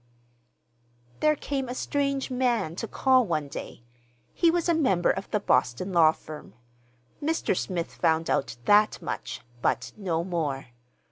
There came a strange man to call one day. He was a member of the Boston law firm. Mr. Smith found out that much, but no more.